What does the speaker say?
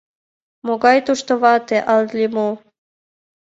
Могай тушто вате але мо!